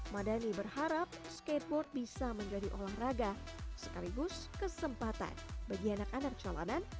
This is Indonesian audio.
madani berharap skateboard bisa menjadi olahraga sekaligus kesempatan bagi anak anak calonan